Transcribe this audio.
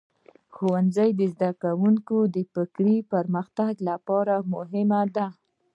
ښوونځی د زده کوونکو د فکري پرمختګ لپاره مهم دی.